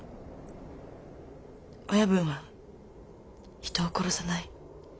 「親分は人を殺さない」。